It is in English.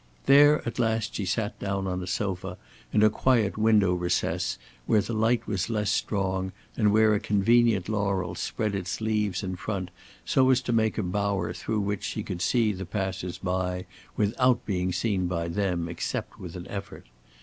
There at last she sat down on a sofa in a quiet window recess where the light was less strong and where a convenient laurel spread its leaves in front so as to make a bower through which she could see the passers by without being seen by them except with an effort.